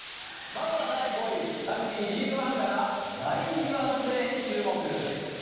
まずは第５位、ラグビーリーグワンから、ライン際のプレーに注目。